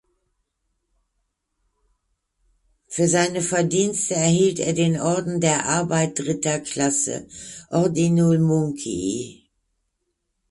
Für seine Verdienste erhielt er den Orden der Arbeit Dritter Klasse "(Ordinul Muncii)".